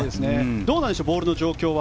どうなんでしょうボールの状況は。